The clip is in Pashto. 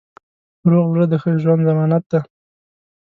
روغ زړه د ښه ژوند ضمانت دی.